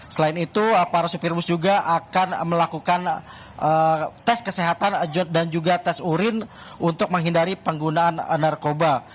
selain itu para supir bus juga akan melakukan tes kesehatan dan juga tes urin untuk menghindari penggunaan narkoba